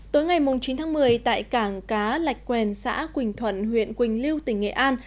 tối ngày chín tháng một mươi tại cảng cá lạch quen xã quỳnh thuận huyện quỳnh lưu tỉnh nghệ an